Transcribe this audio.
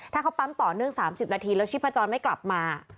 ถ้าเขาปั๊มต่อเนื่อง๓๐นาทีแล้วชีพจรไม่กลับมา